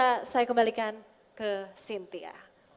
oke acara bisa saya kembalikan ke cynthia